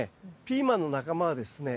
ピーマンの仲間はですね